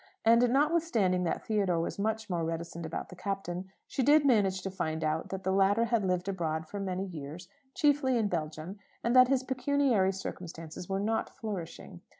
And, notwithstanding that Theodore was much more reticent about the Captain, she did manage to find out that the latter had lived abroad for many years chiefly in Belgium and that his pecuniary circumstances were not flourishing.